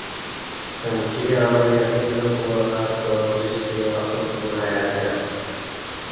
امکی اول یقین نہ کوبہ بہ، کار اوجستہ دی مخلوق بولہ ایہ کہ